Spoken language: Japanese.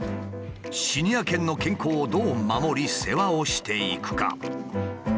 シニア犬の健康をどう守り世話をしていくか。